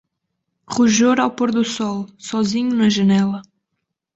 Rojor ao pôr do sol, sozinho na janela.